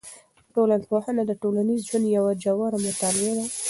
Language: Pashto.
ټولنپوهنه د ټولنیز ژوند یوه ژوره مطالعه ده.